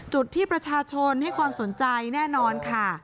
จุดที่ประชาชนให้ความสนใจแน่นอนค่ะ